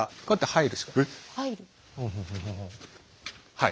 はい。